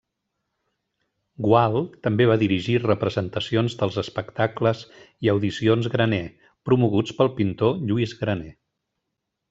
Gual també va dirigir representacions dels Espectacles i Audicions Graner promoguts pel pintor Lluís Graner.